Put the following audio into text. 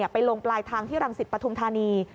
ไปลงปลายทางที่รังสิตปฐุมธานี